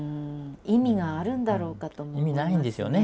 意味があるんだろうかと思いますね。